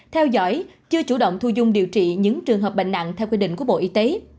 theo dõi chưa chủ động thu dung điều trị những trường hợp bệnh nặng theo quy định của bộ y tế